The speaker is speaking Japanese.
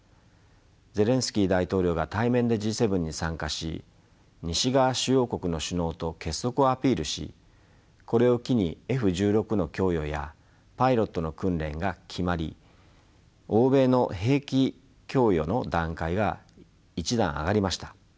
ゼレンスキー大統領が対面でＧ７に参加し西側主要国の首脳と結束をアピールしこれを機にＦ１６の供与やパイロットの訓練が決まり欧米の兵器供与の段階が１段上がりました。